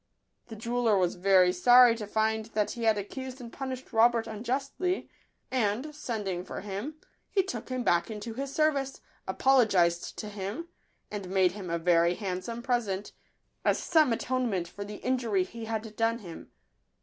The jeweller was very sorry to find that he had accused and punished Robert unjustly; and, sending for him, he took him back into his service, apologised to him, and made him a very hand some present, as some atonement for the in jury he had done him.